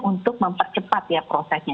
untuk mempercepat ya prosesnya